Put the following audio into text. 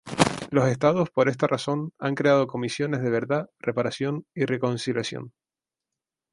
Los estados, por esta razón, han creado comisiones de verdad, reparación y reconciliación.